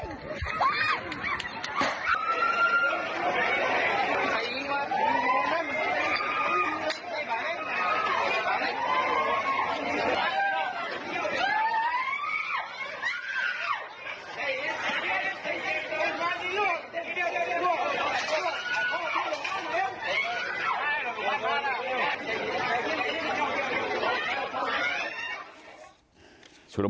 ฟังให้โปรดทราบ